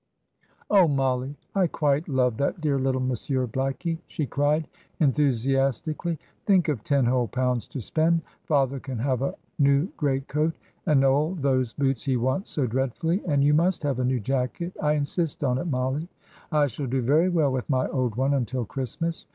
"Oh, Mollie, I quite love that dear little Monsieur Blackie!" she cried, enthusiastically. "Think of ten whole pounds to spend! Father can have a new great coat, and Noel those boots he wants so dreadfully, and you must have a new jacket I insist on it, Mollie; I shall do very well with my old one until Christmas."